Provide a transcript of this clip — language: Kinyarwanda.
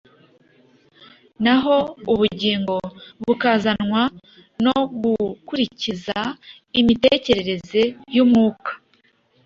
naho ubugingo bukazanwa no gukurikiza imitekerereze y’Umwuka.